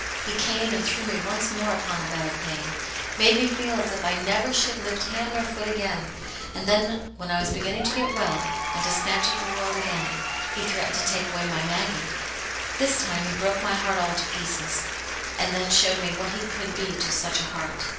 He came and threw me once more upon a bed of pain, made me feel as if I never should Uft hand nor foot again, and then when I was begin ning to get well and to snatch at the world again, He threatened to take away my Maggie. This time he broke my heart all to pieces, and then showed me what he could be to such a heart.